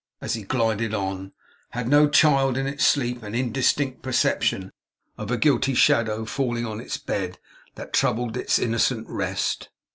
As he glided on, had no child in its sleep an indistinct perception of a guilty shadow falling on its bed, that troubled its innocent rest?